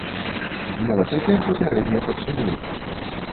Ну а цяпер папярэдне падсумуем.